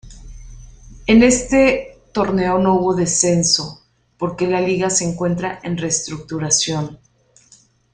En este torneo no hubo descenso por que la liga se encuentra en reestructuración.